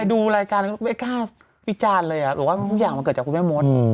ดูรายการก็ไม่กล้าวิจารณ์เลยหรือว่าทุกอย่างมันเกิดจากคุณแม่มด